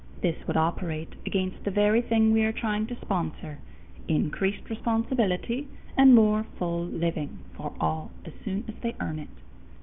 This would operate against the very thing we are trying to sponsor increased responsibility and more full living for all as soon as they earn it.